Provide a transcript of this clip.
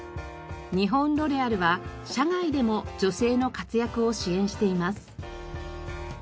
日本ロレアルは社外でも女性の活躍を支援しています。